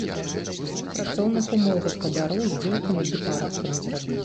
Сем працоўных умоў гаспадароў з дзеўкамі ды парабкамі зрабіў.